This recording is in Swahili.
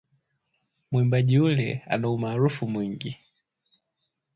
Mwimbaji yule ana umaarufu mwingi